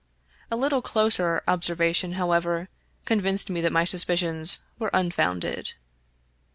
A little closer observation, however, convinced me that my suspicions were unfounded.